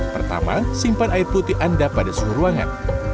pertama simpan air putih anda pada suhu ruangan